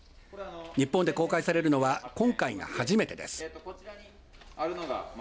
日本で公開されるのは今回が初めてです。